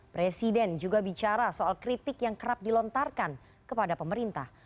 presiden juga bicara soal kritik yang kerap dilontarkan kepada pemerintah